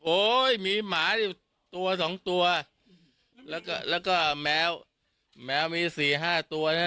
โอ้ยมีหมาอยู่ตัวสองตัวแล้วก็แล้วก็แมวแมวมีสี่ห้าตัวนะ